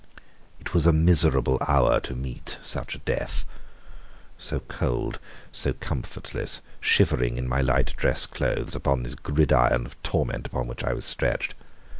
It was a miserable hour to meet such a death so cold, so comfortless, shivering in my light dress clothes upon this gridiron of torment upon which I was stretched.